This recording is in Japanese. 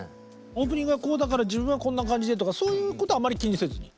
オープニングはこうだから自分はこんな感じでとかそういうことはあまり気にせずに？